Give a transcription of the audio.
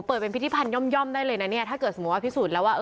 เปิดเป็นพิธิพันย่อมได้เลยนะถ้าเกิดถือเอาอภิสูจน์แล้วว่า